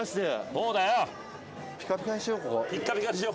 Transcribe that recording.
そうだよ。